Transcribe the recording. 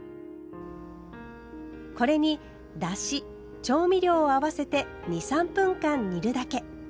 これにだし・調味料を合わせて２３分間煮るだけ。